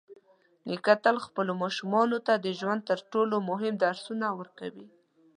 نیکه تل خپلو ماشومانو ته د ژوند تر ټولو مهم درسونه ورکوي.